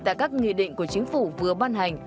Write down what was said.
tại các nghị định của chính phủ vừa ban hành